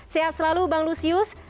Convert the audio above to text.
sehat selalu bang lusius